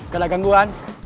gak ada gangguan